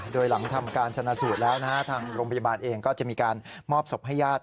โดยหลังทำการชนะสูตรแล้วนะฮะทางโรงพยาบาลเองก็จะมีการมอบศพให้ญาติ